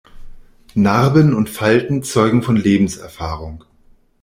Narben und Falten zeugen von Lebenserfahrung.